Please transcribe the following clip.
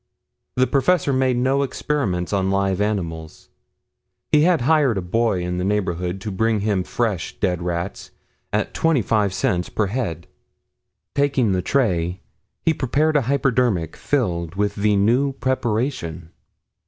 The professor made no experiments on live animals. He had hired a boy in the neighborhood to bring him fresh dead rats at twenty five cents per head. Taking the tray he prepared a hypodermic filled with the new preparation.